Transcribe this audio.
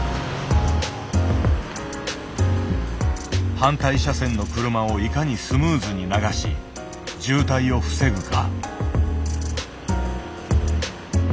反対車線の車をいかにスムーズに流し渋滞を防ぐか。